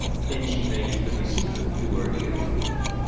Then she raised the receiver to her ear.